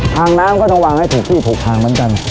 ทางน้ำก็ต้องวางให้ถูกที่ถูกทางเหมือนกัน